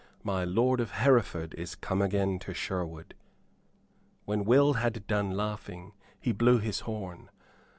My lord of Hereford is come again to Sherwood." When Will had done laughing he blew his horn.